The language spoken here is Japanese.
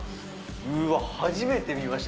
うわっ、初めて見ました。